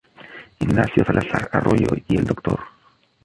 Ignacio Salazar Arroyo y el Dr.